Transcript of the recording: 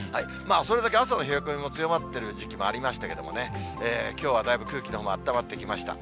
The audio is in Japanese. それだけ朝の冷え込みも強まっている時期もありましたけどね、きょうはだいぶ空気のほうもあったまってきました。